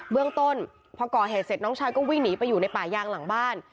เรื่องต้นพอก่อเหตุเสร็จน้องชายก็วิ่งหนีไปอยู่ในป่ายางหลังบ้าน